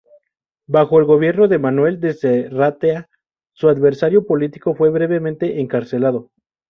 Bajo el gobierno de Manuel de Sarratea, su adversario político, fue brevemente encarcelado.